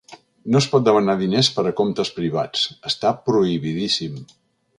No es pot demanar diners per a comptes privats, està prohibidíssim.